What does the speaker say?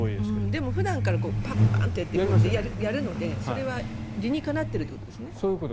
でも普段からパーンとやるのでそれは理にかなってるということですね。